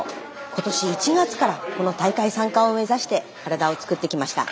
今年１月からこの大会参加を目指して体をつくってきました。